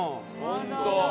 本当！